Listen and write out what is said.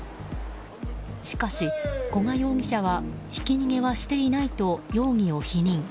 しかし、古賀容疑者はひき逃げはしていないと容疑を否認。